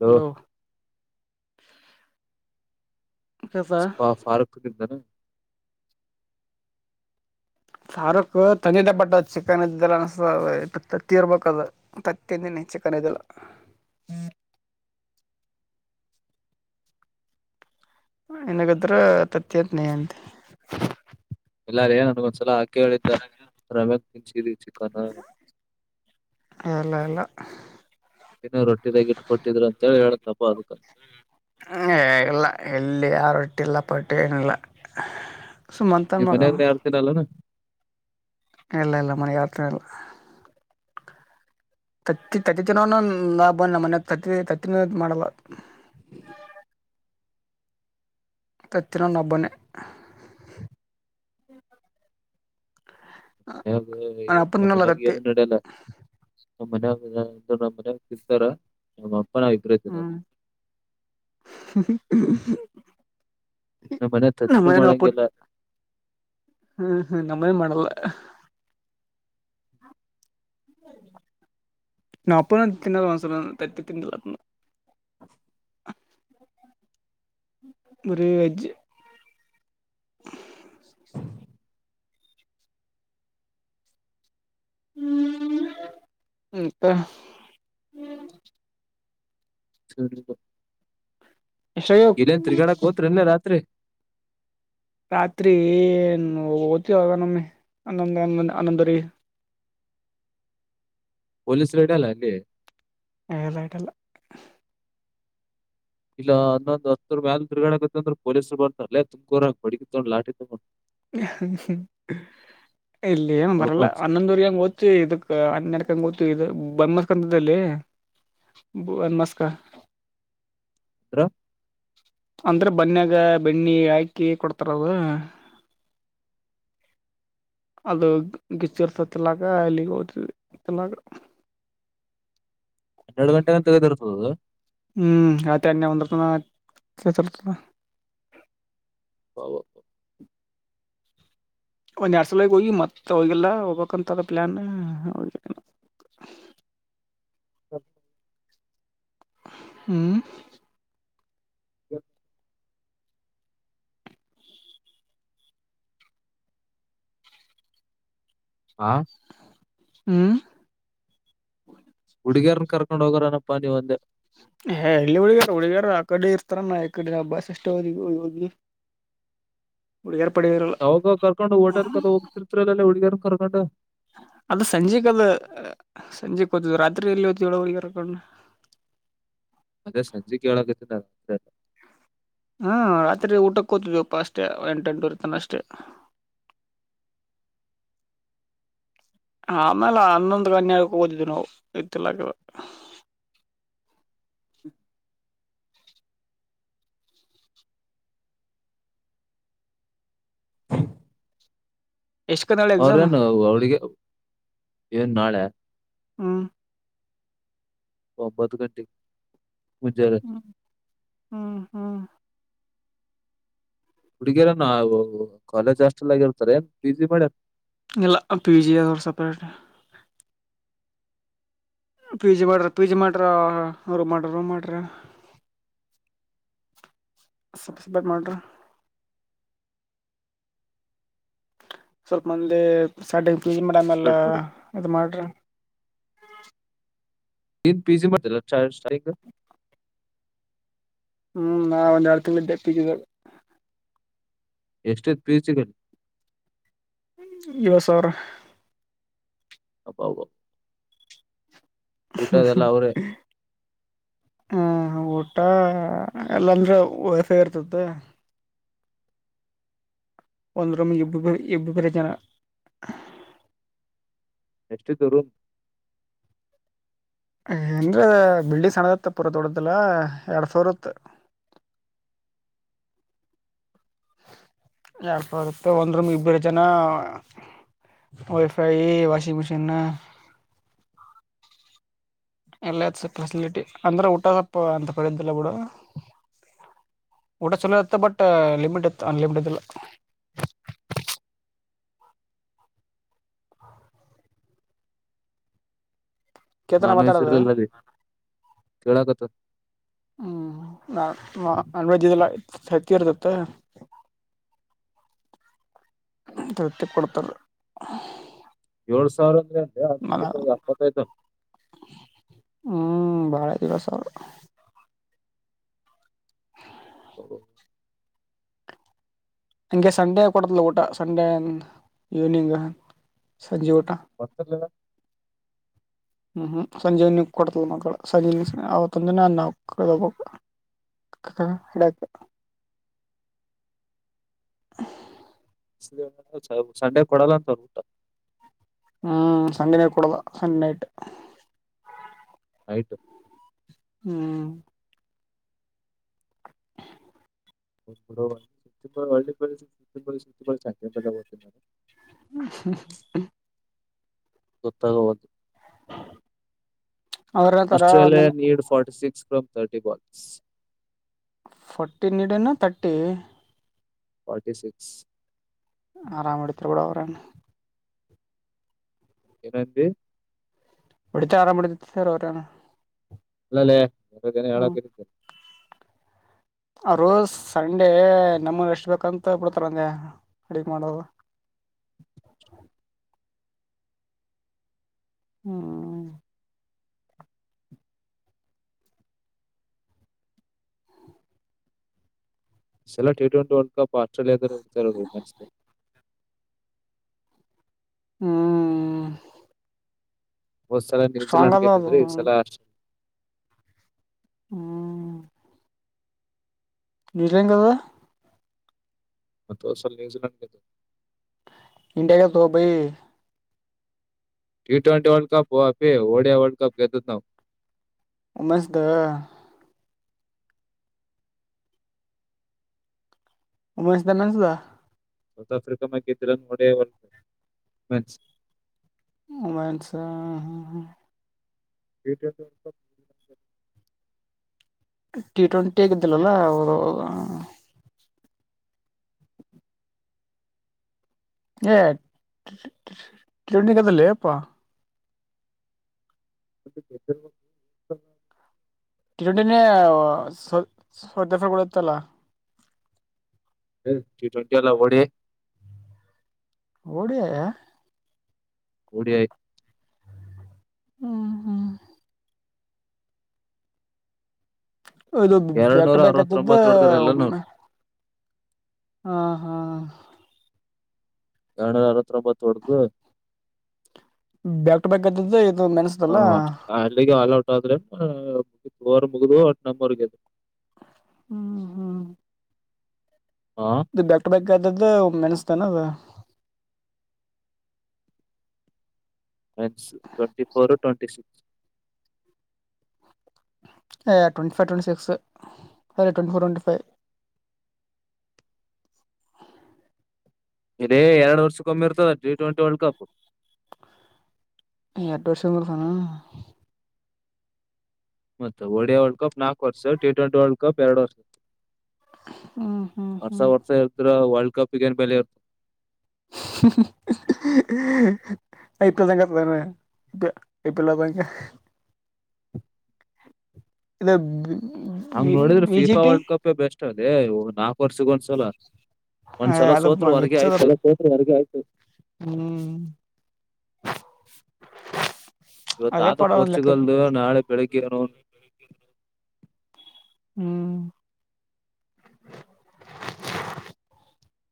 Hello ಫಾರಕ್ ಕಿಂದನ ಸಾರುಕ್ ತಂದ ಬಟ್ಟದ ಚಿಕನ್ದಲ್ಲ ಅನ್ಸ ತತ್ತಿ ಇರ್ಬೇಕ ಅದು ತತ್ತಿನ ನಚ್ಚ ಕನಿದಲ್ ನಗದ್ರ ತತ್ಯಂತನ ಅಂತೆ ಎಲ್ಲಾರ ಏನ್ ನನ್ಗೊಂದ್ಸಲ ಆಾಕಿ ಹೇಳಿದ್ದ ರಮ್ಯಕ್ ತಿನ್ಸಿದಿ ಚಿಕನ್ ಅಲ್ಲ ಇಲ್ಲ ಇನ್ನು ರೊಟ್ಟಿದಾಗಿ ಇಟ್ಟ ಕೊಟ್ಟಿದ್ರು ಅಂತೇಳಿ ಹೇಳತಪ್ಪ ಅದಕ್ಕಂತ ಹ ಹೇಗಲ್ಲ ಎಲ್ಲಿ ಯಾರೊಟ್ಟಿಲ್ಲ ಪಟ್ಟು ಏನಿಲ್ಲ ಸುಮ್ ಅಂತನ್ ನೀ ಮಗ ಅವ ಮನ್ಯಾಗನೆ ಯಡ್ತೇನ ಅಲ್ಲಾನ ಇಲ್ಲ ಇಲ್ಲ ಮನೆ ಯತ್ರ ಇಲ್ಲ ತತ್ತಿ ತತ್ತ ತನನು ಲಾ ಬನ್ನ ಮನೆ ತತ್ತ ತತ್ತಿನ ಮಾಡಲ್ಲ ತತ್ತರ ನಬನೆ ಯಾಗ ನನ್ ನ್ ಅಪ್ಪ ನಮ್ಮ ತಿನ್ನಲ್ಲ ಮನ್ಯಾಗ ತತ್ತಿ ಏನು ನಡಲ್ಲ ನಮ್ಮ್ ಮನ ನಮ್ಮ್ ಮನಾಗ ಸಿರ್ತಾರ ಹ್ಮ ನಮ್ಮ ಮನೆ ತ್ದರು ಅಪ್ಪ ಮಾಡಂಗಿಲ್ಲ ಹ್ಮ್ ಹ್ಮ್ ನಮ್ಮೇ ಮಾಡಲ್ಲ ನಾ ಅಪ್ಪ ತಿನ್ನ ತತ್ತಿ ತಿಂಡಲ್ಲ ಬ ವೆಜ್ ಹ ಇಂತ ಹ ಎಷ್ಟಾಗ ನೇನ್ ತಿರಿಗಾಡಕ್ ಹೋತ್ರರಿಲ್ಲ ರಾತ್ರಿ ರಾತ್ರಿ ಓ್ತವಾಗ ನಮ್ಮಿ ಹನ್ನೊಂದ ಹನ್ನೊಂದ ಹನ್ನೊಂದ ರೀ ಪೊಲೀಸ್ ರೇಡ ಅಲ್ಲ ಅಲ್ಲಿ ದೈಟಲ್ಲ ಇಲ್ಲ ಒಂದೊಂದು ಹತ್ತರ ಮ್ಯಾಲ ದುರ್ಗಾಗತ್ತ ಅಂದ್ರೆ ಪೊಲೀರು ಬರ್ತಲ್ಲೇ ತುಕೋರ ಬಡಗ ತಗೊಂಡು ಲಾಟಿ ತೊಗೊಂಡ್ ಹ ಇಲ್ಲಿ ಏನ್ ಬರಲ್ಲ ಹೊಡ್ಕೊಂತ ಹನ್ನೊಂದ ಊರಿ ಹಂಗ ಓದ್ ಇದಕ್ ಹನ್ನಡ್ಕಂಗ ಓದ್ತ ಇದ ಬನ್ ಮಸ್ಕಂತಲ್ಲಿ ಬನ್ ಮಸ್ಕ ಹತ್ರ ಅಂದ್ರೆ ಬನ್ಯಾಗ ಬೆಣ್ಣಿ ಹಾಕಿ ಕೊಡ್ತಾರದು ಅದು ಗಿಚ್ಚರ್ಸತಿಲಾಗ ಎಲ್ಲಿಗೆ ಹೋದ ತಿಲಾಗ ಹನ್ನೆರಡು ಗಂಟೆಗಂತ ತೆಗದಿರ್ತದ ಹ್ಮ್ ಆತನ್ನೆ ಒಂದ ಚಲುತ್ತ ಹ ಒಡ್ಸಲಗೆ ಹೋಗಯಿ ಮತ್ತೆ ಹೋಗಲ್ಲ ಹೋಗ್ಬೇಕಂತ ಅದೆ ಪ್ಲಾನ್ ಹ ಹ್ಮ್ ಹ [unintelligible] ಹಾ ಹ್ಮ್ ಹುಡಿಗರನ್ನ ಕರ್ಕೊಂಡ್ ಹೋಗೋರನ ನೀವು ಅಂದೆ ಹ ಎಳ್ಳಿ ಹುಳಗ್ಯಾರ ಹುಗ್ಯಾರ ಆ ಕಡೆ ಇರ್ತಾರ ನ ಕಡೆ ಬಸ್ ಅಷ್ಟೇ ಹೋಗಿ ಹಳಗ [unintelligible] ಅವಾಗ ಕರ್ಕೊಂಡು ಹೋಟೆಲ್ ಕದ ಹೋಗ್ತಿರ್ತರಲ್ಲಾ ಹುಡುಗರನ್ ಕರ್ಕೊಂಡು ಅದ ಸಂಜೆ ಅದ ಸಂಜೆಕ್ ಹ್ತ ರಾತ್ರಿ ಎಲ್ಲಿ ಹಓ ಹಗರ್ಕೊಂಡ ಅದೇ ಸಂಜ ಕಳ ಹ್ಮ್ ರಾತ್ರಿ ಊಟಕ್ಕೆ ಕೂತಿದ್ವಪ್ಪಾ ಅಷ್ಟೇ ಎಂಟು ಎಂಟೂರು ತನ ಅಷ್ಟೇ ಆಮೇಲೆ ಅನ್ನೊಂದು ಕನ್ಯಕ್ಕೆ ಓದಿದ್ದ್ ನಾವು ಇತಿಲಾಕದ ಎಷ್ಟ್ ಕನ್ನಡ ಎಕ್ಸಾಮ್ ಅವ್ರೇನು ಅವಿಗೆ ಏನ್ ನಾಳೆ ಹ್ಮ ಒಂಬತ್ತು ಗಂಟೆ ಹ್ಮ್ ಹ್ಮ್ ಹ್ಮ್ ಹುಡುಗಿಯರನ ಕಾಲೇಜ್ ಹಾಸ್ಟೆಲ್ ಆಗಿರ್ತಾರೆ ಏ ಪಿ ಜಿ ಮಾಡ್ಯಾರ ಇಲ್ಲ ಪಿ ಜಿ ಸೆಪರೇಟ್ ಪೀಜಿ ಮಾಡ್ರ ಪೀಜಿ ಮಾಡ್ರೂ ಮಾಡ್ರ ರೂ ಮಾಡ್ರ ಸಪ್ಪ ಸಪ ಮಾಡಡರ್ [unintelligible] ಸ್ವಲ್ಪ ಮಂದಿ ಸಡ್ಜ ಮೇಡಮ ಎಲ್ಲ ಸಪ್ರೇಟ್ ಮಾಡಿದ್ರ ಇದ ಮಾಡ್ರಿ ತ ಪಿ ಜಿ ಮಾಡಿರ್ ಏನ್ ಸ್ಟ್ರೈಕ್ ಹ್ಮ್ ನಾವ ಒಂದ್ ಎರಡು ತಿಂಗ್ಳ ದಪ್ಪಿದ್ದಿದ್ದವೆ ಎಷ್ಟೊ ಪಿಯುಸಿಗೆ ಐವತ್ [unintelligible] ಸಾವ್ರ ಅಪ ಹ [unintelligible] ಹ್ಮ್ ಹ್ಮ್ ಹಾ ಎಲ್ಲಾಂದ್ರೆ ವೈಫೈ ಇರ್ತದೆ ಒಂದರಮ್ಮ ಇಬ್ಬ ಇಬ್ಬ ಬರ ಜನ [unintelligible] ಎಷ್ಟಿದೆ ರೂಮು ಏನ್ರ ಬಿಲ್ಡಿಂಗ್ ಸ ಅಣ್ಣದತ್ತ ಪುರ ತೊಡದಲ್ಲ ಎರಡ್ ಸಾವಿರತ್ ಎಡ್ ಸಾವಿರ ಒಂದ್ ರೂಮ್ ಇಬ್ಬೇರು ಜನ ವೈಫೈ ವಾಷಿಂಗ್ ಮಷೀನ್ ಎಲ್ಲ ಫೆಸಿಲಿಟಿ ಅಂದ್ರ ಊಟ ಸಪ್ಪ ಅಂತ ಪಡೆದ್ದಲ್ಲ ಬಿಡ ಊಟ ಚಲೋ ಇತ್ತ ಬಟ್ ಲಿಮಿಟ್ ಇತ್ತು ಅನ್ಲಿಮಿಟೆಡ್ ಇಲ್ಲ ಕೇತನ ನಾನ್ ವೇಜ್ ಮಾತಾಡೋದು ಇರ್ಲಿಲ್ಲ ಅಲ್ಲಿ ಕೇಳಕತ್ ಹ್ಮ್ ನಾ ಅನ್ವೆಜದೆಲ್ಲ ಹಕ್ಕ ಇರ್ತತ್ತ [unintelligible] [unintelligible] ತೃತಿ ಕೊಡ್ತಾರ [unintelligible] ಏಳು ಸಾವಿರ ಅಂದ ಅ ತಿಂಗಳ ಎಪ್ಪತ್ತೈದನ್ನು ಸಳೆ ತಿಗ ಸರು [unintelligible] ಹ್ಮ ಹಂಗೆ ಸಂಡೇ ಕೊಡದಿಲ್ಲ ಊಟ ಸಂಡೇ ಈವ್ನಿಂಗ್ ಸಂಜೆ ಊಟ ಹೊರತ್ತಲ್ಲ [unintelligible] ಹ್ಮ್ ಹ್ಮ್ ಸಂಜೆನ ಕೊಡ್ತಲ್ ಮಕ್ಕಳ ಸಂಜೆ ಅವತ್ತಂದಜನ ಅನ್ನಬೇಕ [unintelligible] ಹ ಹಡಕ್ಕ [unintelligible] [inaudible] ಹ [unintelligible] ಸಂಡೆ ಕೊಡಲ್ಲ ಅಂತ ಊಟ ಹ್ಮ್ ಸಂಜನೆ ಕೊಡದ ಸಣ ನೈಟ್. ನೈಟ್. ಹ್ಮ್. [unintelligible] [inaudible] ಗೊತ್ತಾಗಬಹುದು ಅವ್ರ ಹೇಳ್ತಾರ ಆಸ್ಟ್ರೇಲಿಯಾ ಒಂದಿನ ನೀಡ್ ಫಾರ್ಟಿ ಸಿಕ್ಸ್. ಫ್ರ್ ಥರ್ಟಿ ಬಲ್ಸ್. ಫಟ್ಟಿ ನೀಡಿನ ತಟ್ಟಿ. Forty six. ಆರಾಮ ಹೊಡಿತಾರಾ ಬುಡು ಅವರನು. [unintelligible] ಎಡ್ತ ಆರಾಮಡಿ ಸರ್ ಅವರನ. ಅಲ್ಲಲ್ಲೇ ಎರ ದಿನ ಯಾಳತ್ತ. ಆ ರೋ ಸಂಡೇ ನಮ್ಮನ್ ಎಷ್ಟ ಬೇಕಂತ ಬಿಡ್ತಾರ ನಂಗೆ ಅಡಗ್ ಮಾಡೋದು. [inaudible] ಹ್ಮ. ಚಲ ಟ ಟ್ವೆಂಟಿ ವರ್ಲ್ಡ್ ಕಪ್ ಆಸ್ಟ್ರೇಲಿಯಾ ರ ರೋಮನ್ಸ್. ಹ್ಮ್. ಒಂದ್ಸಲ ಸ್ಟ್ರಾಂಗ್ ನ್ಯೂಲೆಂಡ್ ಅದ ಅದು ಗೆದಿದ್ರೆ ಈ ಸಲ ಆಸ್ಟ್ರೇ. ಹ್ಮ್. ನೀಜೇದಾ. ಮತ್ತಸಲ್ ನ್ಯೂಜಿಲೆಂಡ್ದು. ಇಂಡ ದುಬಿ. [inaudible] ಟ್ವೆಂಟಿ ವರ್ಲ್ಡ್ ಕಪ್ ಪೇ ಹೊಡಿಯ ವರ್ಲ್ಡ್ ಕಪ್ ಗೆದ್ದಿದ್ದು ನಾವೂ. ಉಮಸ್ದ. [inaudible] ಉಮಸ ದನ ಸಾ. [inaudible] ಸೌತ್ ಆಫ್ರಿಕಾ ಮ ಇದ್ರ ಒಡೇ ಒ ಮ. [unintelligible] ಅಸ ಹಾ ಹಾ. [inaudible] [inaudible] ಟಿ ಟ್ವೆಂಟಿ ಆಗಿದ್ದಿಲ್ಲಲ್ಲ ಹದ. ಹ ಚಂಡಿ ಕತೆ ಲೆಪ್ಪ. [inaudible] ಬ [inaudible] [unintelligible] ಕೊಡತ್ತಲ್ಲ. [inaudible] ವೆಂಟಿ ಅಲ್ಲ ಒಡಿ [inaudible] ಒಡೆಯಾ. O D I. ಹ್ಮ ಹ್ಮ್. ಇದು ಎರಡ್ ಬ್ಯಾಕ್ ಟು ನೂರ ಬ್ಯಾಕ್ ಹತ್ತಿದ್ದ ಅರವತ್ತೊಂಬತ್ತು ಹೊಡೆದ್ರ ಎಲ್ಲಾನು ಒಮ್ಮ. ಹಾ ಹಾ. ಎರನೂರ ಅರತ್ತಅಂಬ ತೊಡೆದು. ಬ್ಯಾಕ್ ಟು ಬ್ಯಾಕ್ ಹತ್ತಿದ್ದ ಇದು ಹ ಮೆನ್ಸ್ದಲ್ಲ ಅ ಅಲ್ಲಿಗೆ ಆಲ್ ಔಟ್ ಆದ್ರೆ. ವರ ಮುಗುದೋ ಅ ನಮ್ಮರ್ಗ ಅದು. ಹ್ಮ್ ಹ್ಮ್ ಹಾ ಇ ಬ್ಯಾಕ್ ಟು ಬ್ಯಾಕ್ ಆದತದ್ದ ಮೆಣಸ್ತಾನ ಅದ. ಮನ್ಸ್ ಟ್ವೆಂಟಿ ಫೋರ್ ಟ್ವೆಟಿ six. Twenty five twenty six ಅದೇ ಟ್ವೆಂಟಿ ಫೋರ್ ಟ್ವೆಂಟಿ ಫೈವ್. [inaudible] ಇದೇ ಎರಡ್ ವರ್ಷಕ್ಕೆೊಮ್ಮಿ ಇರ್ತದ ಟಿ ಟ್ವೆಂಟಿ ವರ್ಲ್ಡ್ ಕಪ್. ಎಟ ವರ್ಷಂದ ಸಾನ. ಮತ್ತೆ ಒಡಿಯಾ ವರ್ಲ್ಡ್ ಕಪ್ ನಾಲ್ಕು ವರ್ಷ ಟಿ ಟ್ವೆಂಟಿ ವರ್ಲ್ಡ್ ಕಪ್ ಎರಡು ವರ್ಷ. ಹ್ಮ್ ಹ್ಮ್ ವರ್ಷ ಹ್ಮ್ ವರ್ಷ ಇದ್ರ ವರ್ಲ್ಡ್ ಕಪ್ಗೇನು ಬೆಲೆ ಇರ್ತು ಹ ಇಪ್ಪ ತಕ ಇ ಇಪ್ಪಲ್ಲ ಬಕ ಇಲ್ಲ ಹಂಗ್ ನೋಡಿದ್ರೆ ಫಿಫಾ ವರ್ಲ್ಡ್ ಕಪ್ ಬೆಸ್ಟ್ ಅದೇ ಒ ನಾಲ್ಕು ವರ್ಷಗ ಒಂದ್ಸಲ ಹ ಒಂದ್ಸಲ ಅ ಸೋತ್ರ ಹೊರಗೆ ಆಯ್ತು ಹ್ಮ್ [inaudible] ಅದೇ ಇವತ್ತ ಪಡ ಒಂದ್ ಲೆಕ್ಕಕ್ಕೆ ಪೋರ್ಚುಗಲ್ದ ನಾಳೆ ಬೆಳಿಗ್ಗೆಏನ ಹ್ಮ್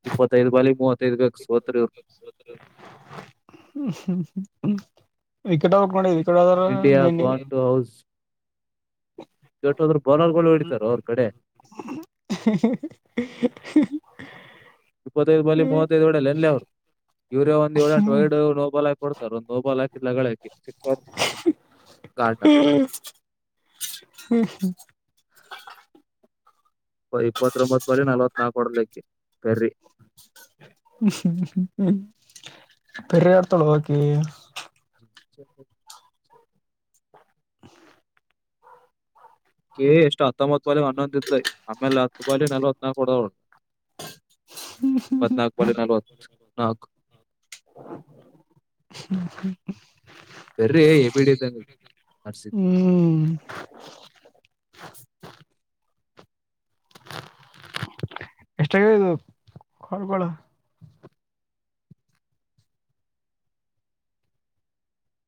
ಇಪ್ಪತ್ತೈದ್ ಬಾಲ ಮೂವತ್ತೈದ್ಗಕ ಸೋತ್ರು ಹ್ಮ ಹ್ಮ್ ವಿಕೆಟ್ ಟ್ ನೋಡಿದವಿ ಡದರ ಇಂಡಿಯಾ ಮನ್ ಗಾನ್ ಟು ಹೌಸ್ ಕೆಟ್ಟೋದ್ರ ಬೌಲರ್ಗಳು ಹೊಡಿತಾರ ಅವ್ರ ಕಡೆ [inaudible] ಹ ಇಪ್ಪತ್ತೈದು ಬಲಿ ಮೂವತ್ತೈದದು ಒಡೆಯಲ್ಲ ಎಲ್ಲ ಅವ್ರು ಯೂರಿಯಾ ಒಂದು ಏಳೆಂಟು ವೈಡ್ ನೋಬಲ್ಕಿ ಕೊಡ್ತಾರ ಒಂದು ನೋಬಾಲ್ ಹಾಕಿದ್ಗಳಕಿ ಸಿಕ್ [inaudible] ಹ್ಮ್ ಹ್ಮ್ ಹ್ಮ ಇಪ್ಪತ್ಬತ್ ಬರ ನಲ್ವತ್ ನಾಲ್ಕು ಹೊಡ್ಲಿಕ್ಕೆ ಬೆರ್ರಿ ಹ್ಮ ಪರಿ ಇರತಳವಾಕಿ [inaudible] [inaudible] ಕೇ ಎಷ್ಟು ಹತ್ತೊಂಬತ್ತು ಬಾಯಲಿ ಒನ್ನೊಂದ ಇದ್ ಆಮೇಲೆ ಹತ್ತು ಬಾಯಲಿ ನಲ್ಲವತ್ ನಲ್ಕು ಕೊಡಳ ಹ್ಮ ನಲ್ವತ್ನಾಲ್ಕು ಹ್ಮ ಹ್ಮ್ಮ. ಸರ್ರಿ ಎಬೇಡ್ದ ನೀ ಅರ್ಸಿದಿ ಹ್ಮ್ ಎಷ್ಟಾಗದು ಹೊಳ ಕಡ